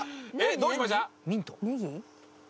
どうしました？